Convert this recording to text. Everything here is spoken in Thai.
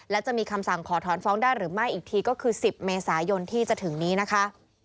และจะมีคำสั่งขอถอนฟ้องได้หรือไม่อีกทีก็คือ๑๐เมษายนที่จะถึงนี้นะคะ